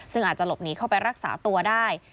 ซึ่งอาจจะหลบหนีเข้าไปรักษาตัวได้